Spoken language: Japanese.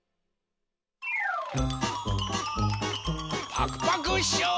パクパクショー！